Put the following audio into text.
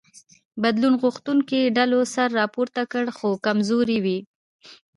بدلون غوښتونکو ډلو سر راپورته کړ خو کمزوري وې.